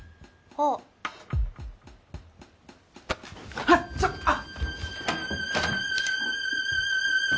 あっちょっあっ！